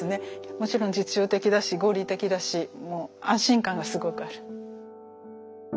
もちろん実用的だし合理的だし安心感がすごくある。